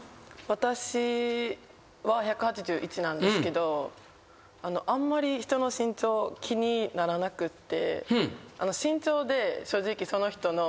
私は１８１なんですけどあんまり人の身長気にならなくって。